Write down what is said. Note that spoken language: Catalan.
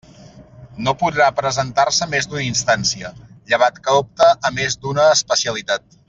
No podrà presentar-se més d'una instància, llevat que opte a més d'una especialitat.